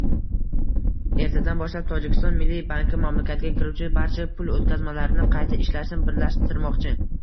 Ertadan boshlab, Tojikiston Milliy banki mamlakatga kiruvchi barcha pul o'tkazmalarini qayta ishlashni birlashtirmoqchi